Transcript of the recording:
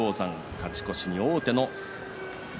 勝ち越しに王手